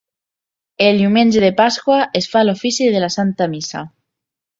El Diumenge de Pasqua es fa l'ofici de la santa missa.